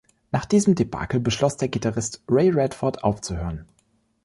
Nach diesem Debakel beschloss der Gitarrist Ray Radford, aufzuhören.